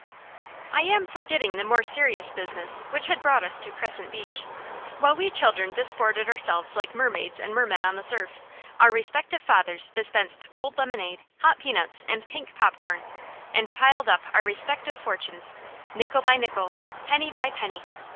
I am forgetting the more serious business which had brought us to Crescent Beach. While we children disported ourselves like mermaids and mermen in the surf, our respective fathers dispensed cold lemonade, hot peanuts, and pink popcorn, and piled up our respective fortunes, nickel by nickel, penny by penny.